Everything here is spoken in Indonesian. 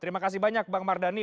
terima kasih banyak bang mardhani